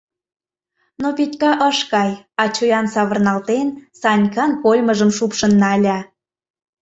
Но Петька ыш кай, а чоян савырналтен, Санькан кольмыжым шупшын нале.